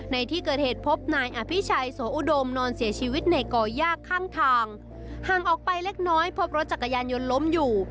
ในที่เกิดเหตุพบนายอภิชัยโสอุดมนอนเสียชีวิตในก่อย่าข้างทางห่างออกไปเล็กน้อยพบรถจักรยานยนต์ล้มอยู่